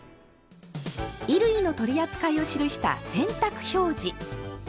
衣類の取り扱いを記した「洗濯表示」。